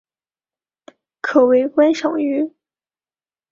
可为观赏鱼。